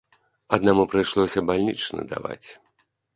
Аднаму прыйшлося бальнічны даваць.